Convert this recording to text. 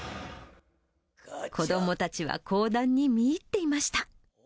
子どもたちは講談に見入っていました。